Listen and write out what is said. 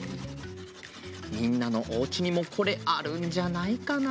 みんなのおうちにもこれあるんじゃないかな。